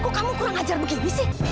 oh kamu kurang ajar begini sih